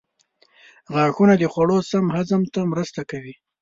غاښونه د خوړو سم هضم ته مرسته کوي.